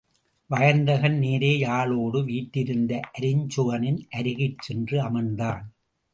வயந்தகன் நேரே யாழோடு வீற்றிருந்த அருஞ்சுகனின் அருகிற் சென்று அமர்ந்தான்.